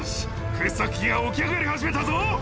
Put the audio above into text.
掘削機が起き上がり始めたぞ。